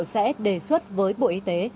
sẽ đề xuất với bộ y tế